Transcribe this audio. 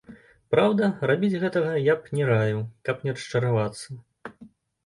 Праўда, рабіць гэтага я б не раіў, каб не расчаравацца.